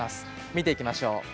見ていきましょう。